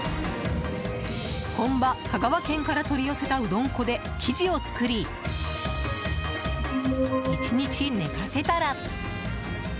本場・香川県から取り寄せたうどん粉で生地を作り１日寝かせたら。